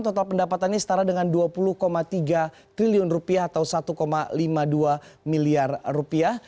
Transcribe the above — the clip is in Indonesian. total pendapatannya setara dengan dua puluh tiga triliun rupiah atau satu lima puluh dua miliar rupiah